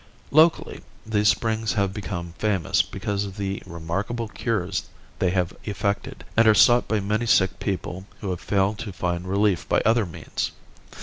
Locally, these springs have become famous because of the remarkable cures they have effected, and are sought by many sick people who have failed to find relief by other means.